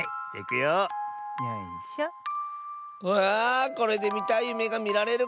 これでみたいゆめがみられるかも！